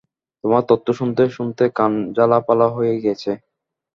তোমার তত্ত্ব শুনতে-শুনতে কান ঝালাপালা হয়ে গেছে।